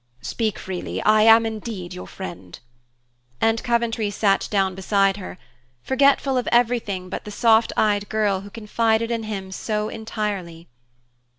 "Speak freely. I am indeed your friend." And Coventry sat down beside her, forgetful of everything but the soft eyed girl who confided in him so entirely.